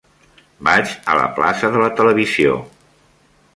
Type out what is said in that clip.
Vaig a la plaça de la Televisió.